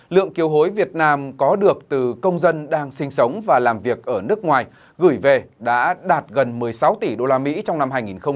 lượng kiều hối việt nam có được từ công dân đang sinh sống và làm việc ở nước ngoài gửi về đã đạt gần một mươi sáu tỷ usd trong năm hai nghìn hai mươi ba